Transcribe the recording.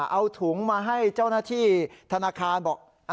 เอาถุงมาให้เจ้าหน้าที่ธนาคารบอก